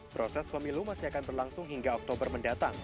proses pemilu masih akan berlangsung hingga oktober mendatang